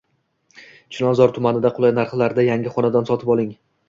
Chilonzor tumanidan qulay narxlarda yangi xonadon sotib oling!